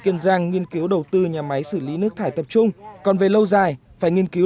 kiên giang nghiên cứu đầu tư nhà máy xử lý nước thải tập trung còn về lâu dài phải nghiên cứu